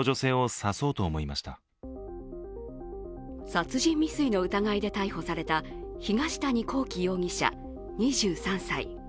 殺人未遂の疑いで逮捕された東谷昂紀容疑者、２３歳。